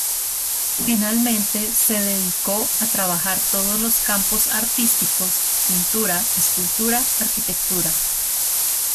Finalmente se dedicó a trabajar todos los campos artísticos, pintura, escultura, arquitectura.